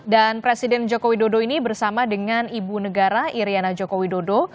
dan presiden joko widodo ini bersama dengan ibu negara iryana joko widodo